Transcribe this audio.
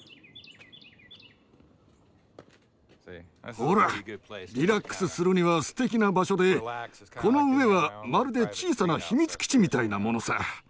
ほらリラックスするにはすてきな場所でこの上はまるで小さな秘密基地みたいなものさ。